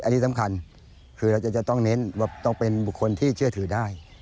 อันนี้สำคัญคือเราจะต้องเน้นว่าต้องเป็นบุคคลที่เชื่อถือได้